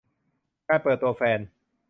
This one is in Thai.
การเปิดตัวแฟน